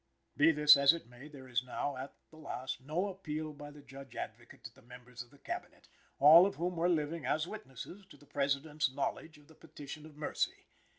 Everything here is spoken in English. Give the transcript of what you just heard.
Be this as it may, there is now, at the last, no appeal by the Judge Advocate to the members of the Cabinet, all of whom were living, as witnesses to the President's knowledge of the petition of mercy.